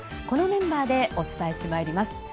このメンバーでお伝えしてまいります。